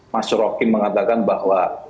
mas rokin mengatakan bahwa